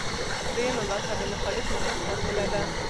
دریمه برخه د مخالف موټر فاصله ده